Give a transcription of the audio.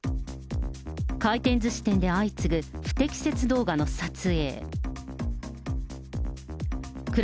回転ずし店で相次ぐ不適切動画の撮影。